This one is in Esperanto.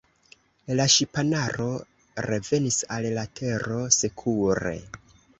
La ŝipanaro revenis al la Tero sekure.